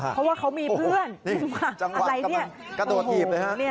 เพราะว่าเขามีเพื่อนจังหวัดกำลังกระโดดหยีบนะครับ